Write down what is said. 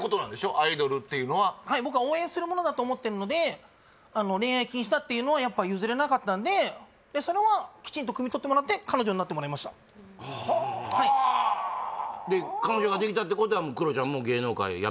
アイドルっていうのははい僕は応援するものだと思ってるので恋愛禁止だっていうのはやっぱ譲れなかったんでそれはきちんとくみ取ってもらって彼女になってもらいましたはあで彼女ができたってことは何で？